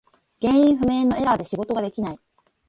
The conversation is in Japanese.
原因不明のエラーで仕事ができない。